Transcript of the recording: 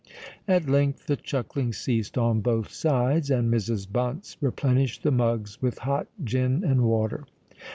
At length the chuckling ceased on both sides; and Mrs. Bunce replenished the mugs with hot gin and water.